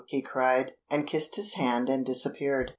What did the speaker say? _" he cried, and kissed his hand and disappeared.